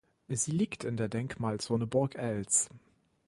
Sie liegt in der Denkmalzone Burg Eltz.